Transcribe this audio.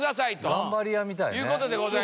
頑張り屋みたいね。